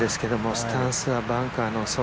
スタンスはバンカーの外。